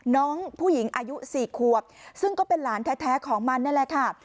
น้องผู้หญิงอายุ๔ขวบซึ่งก็เป็นหลานแท้ของมันนั่นแหละค่ะ